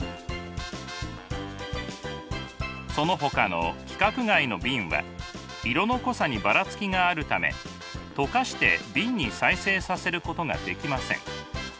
そのほかの規格外の瓶は色の濃さにばらつきがあるため溶かして瓶に再生させることができません。